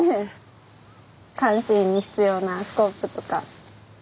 監視員に必要なスコップとか。